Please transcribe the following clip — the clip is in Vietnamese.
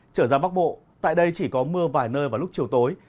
trở ra bắc bộ tại đây chỉ có mưa vài nơi vào lúc chiều tối